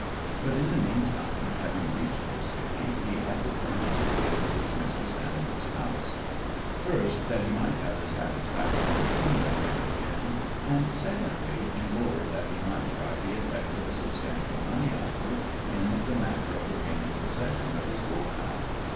But, in the meantime, having reached the city, he had determined to pay a visit to Mr. Sandbrook's house, first, that he might have the satisfaction of seeing Finn again and, secondly, in order that he might try the effect of a substantial money offer in the matter of regaining possession of his Wolfhound.